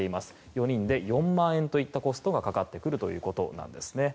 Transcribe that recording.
４人で４万円といったコストがかかってくるということなんですね。